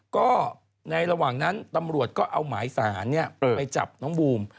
ก็ในระหว่างนั้นตำรวจก็เอาหมายสารไปจับน้องบูม